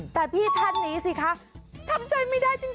แต่พี่ท่านนี้สิคะทำใจไม่ได้จริง